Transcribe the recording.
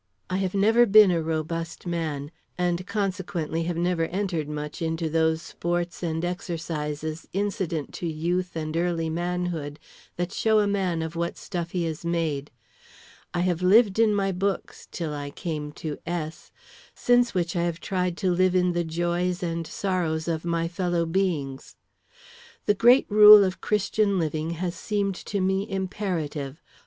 I have never been a robust man, and consequently have never entered much into those sports and exercises incident to youth and early manhood that show a man of what stuff he is made. I have lived in my books till I came to S , since which I have tried to live in the joys and sorrows of my fellow beings. The great rule of Christian living has seemed to me imperative.